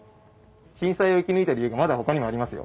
震災を生き抜いた理由がまだほかにもありますよ。